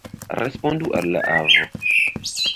Respondu al la avo!